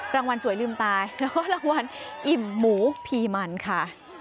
รางวัลสวยลืมตาแล้วก็รางวัลอิ่มหมูพีมันค่ะ